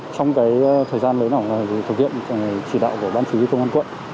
trong thời gian lấy đỏ thương tiện chỉ đạo của ban chí viên công an quận